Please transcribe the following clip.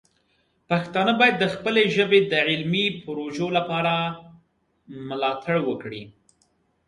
پښتانه باید د خپلې ژبې د علمي پروژو لپاره مالتړ وکړي.